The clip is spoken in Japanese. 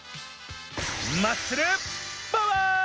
マッスル・パワー！